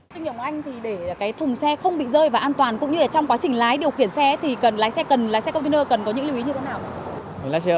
thương hiệu của anh thì để cái thùng xe không bị rơi và an toàn cũng như trong quá trình lái điều khiển xe thì lái xe container cần có những lưu ý như thế nào